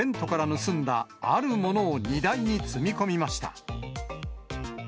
盗んだ、あるものを荷台に積み込みました。